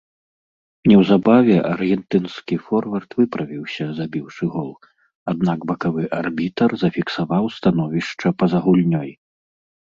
Неўзабаве аргентынскі форвард выправіўся, забіўшы гол, аднак бакавы арбітр зафіксаваў становішча па-за гульнёй.